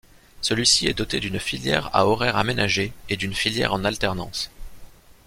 Celui-ci est doté d'une filière à horaires aménagés et d'une filière en alternance.